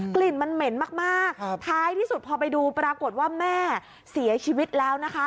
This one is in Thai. กลิ่นมันเหม็นมากท้ายที่สุดพอไปดูปรากฏว่าแม่เสียชีวิตแล้วนะคะ